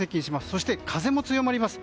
そして、風も強まります。